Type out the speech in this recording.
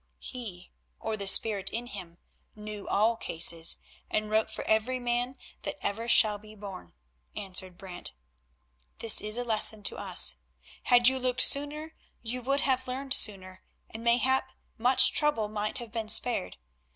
"He, or the Spirit in him, knew all cases, and wrote for every man that ever shall be born," answered Brant. "This is a lesson to us. Had you looked sooner you would have learned sooner, and mayhap much trouble might have been spared.